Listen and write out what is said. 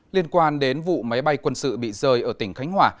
liên quan đến vụ máy bay quân sự bị rơi ở tỉnh khánh hòa